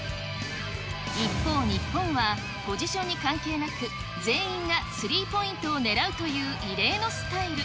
一方、日本はポジションに関係なく、全員がスリーポイントをねらうという異例のスタイル。